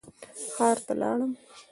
ښار ته لاړم.